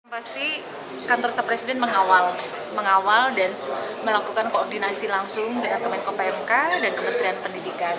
pasti kantor staf presiden mengawal dan melakukan koordinasi langsung dengan kemenko pmk dan kementerian pendidikan